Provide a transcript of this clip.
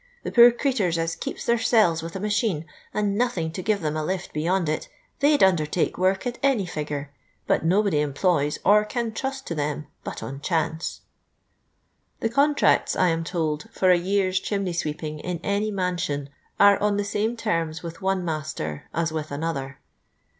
The poor crceturs as keeps thcirsclves with a machine, and nothing to give them a lift beyond it, thetf 'd undertake work at any figure, but nobody em ploys or can trust to them, but on chance.*' The contracts, I am told, for a year's chiumey sweeping in any mansion are on the same terms with one master as with another.